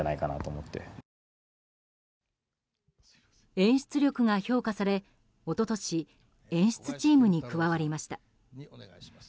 演出力が評価され、一昨年演出チームに加わりました。